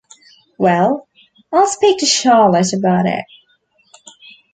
Well, I'll speak to Charlotte about it.